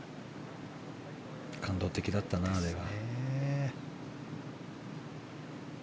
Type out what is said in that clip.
感動的だったな、あれは。